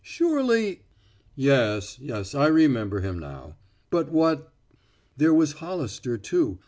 Surely " "Yes, I remember him now. But what " "There was Hollister, too.